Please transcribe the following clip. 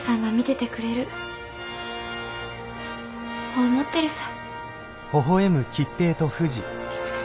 ほう思ってるさ。